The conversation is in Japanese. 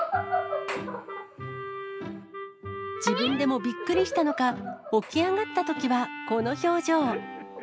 自分でもびっくりしたのか、起き上がったときはこの表情。